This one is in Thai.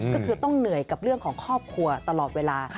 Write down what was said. ก็คือต้องเหนื่อยกับเรื่องของครอบครัวตลอดเวลา